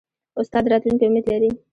استاد د راتلونکي امید لري.